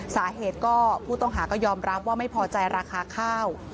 สาเหตุก็ผู้ต้องหาก็ยอมรับว่าไม่พอใจราคาข้าว